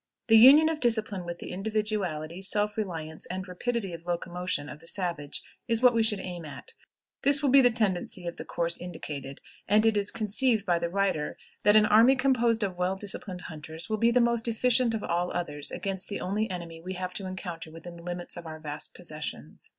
The union of discipline with the individuality, self reliance, and rapidity of locomotion of the savage is what we should aim at. This will be the tendency of the course indicated, and it is conceived by the writer that an army composed of well disciplined hunters will be the most efficient of all others against the only enemy we have to encounter within the limits of our vast possessions.